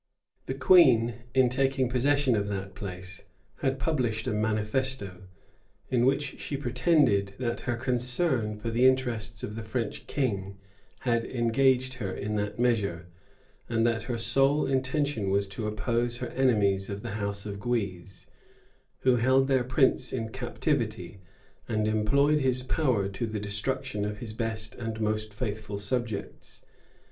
The queen, in taking possession of that place, had published a manifesto,[*] in which she pretended that her concern for the interests of the French king had engaged her in that measure, and that her sole intention was to oppose her enemies of the house of Guise, who held their prince in captivity, and employed his power to the destruction of his best and most faithful subjects.